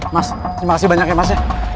mas terima kasih banyak ya masnya